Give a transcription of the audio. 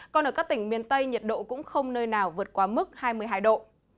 còn ở các tỉnh miền tây nhiệt độ cũng không nơi nào vượt qua mức hai mươi hai độ